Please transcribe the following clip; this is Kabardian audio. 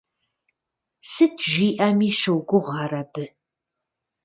Сыт жиӏэми щогугъ ар абы.